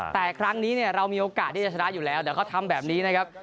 แต่ครั้งนี้เนี่ยเรามีโอกาสที่จะชนะอยู่แล้วเดี๋ยวเขาทำแบบนี้นะครับ